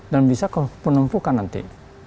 dan bisa ke penumpukan nanti